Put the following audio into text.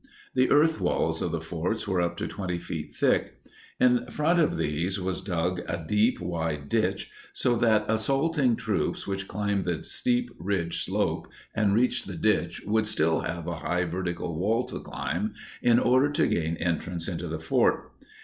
The earth walls of the forts were up to 20 feet thick. In front of these was dug a deep, wide ditch so that assaulting troops which climbed the steep ridge slope and reached the ditch would still have a high vertical wall to climb in order to gain entrance into the fort.